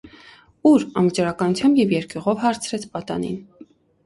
- Ո՞ւր,- անվճռականությամբ և երկյուղով հարցրեց պատանին: